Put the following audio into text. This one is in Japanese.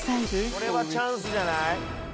これはチャンスじゃない？